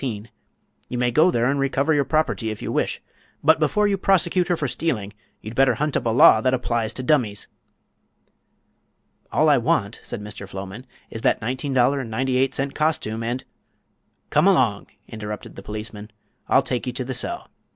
You may go there and recover your property, if you wish, but before you prosecute her for stealing you'd better hunt up a law that applies to dummies." "All I want," said Mr. Floman, "is that $19.98 costume and—" "Come along!" interrupted the policeman. "I'll take you to the cell."